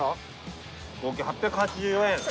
合計８８４円。